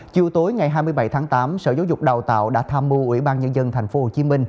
chiều tối ngày hai mươi bảy tháng tám sở giáo dục đào tạo đã tham mưu ủy ban nhân dân tp hcm